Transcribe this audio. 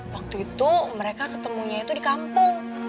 waktu itu mereka ketemunya itu di kampung